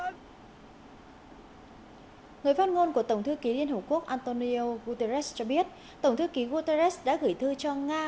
người phát ngôn của tổng thư ký liên hợp quốc antonio guterres cho biết tổng thư ký guterres đã gửi thư cho nga